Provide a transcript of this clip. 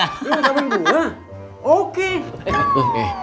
sama nengok nengok ya